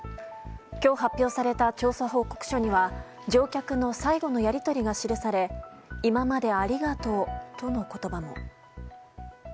今日発表された調査報告書には乗客の最後のやり取りが記され今までありがとうとの言葉も。